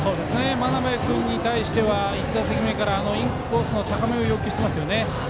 真鍋君に対しては１打席目からインコースの高めを要求してますよね。